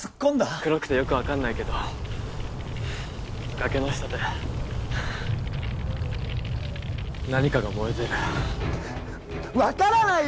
暗くてよく分かんないけど崖の下で何かが燃えてる分からないよ！